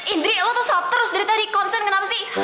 indri lo tuh shop terus dari tadi concern kenapa sih